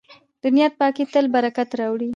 د نیت پاکي تل برکت راوړي.